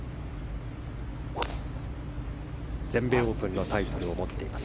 全米オープンのタイトルを持っています。